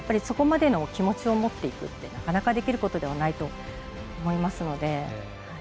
そこまでの気持ちを持っていくってなかなかできることではないと思いますので。